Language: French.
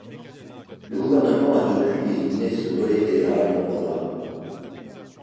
Le gouvernement a depuis éliminé ce volet fédéral du Programme.